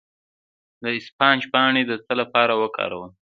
د اسفناج پاڼې د څه لپاره وکاروم؟